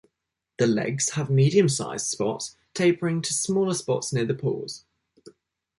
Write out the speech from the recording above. The legs have medium-sized spots tapering to smaller spots near the paws.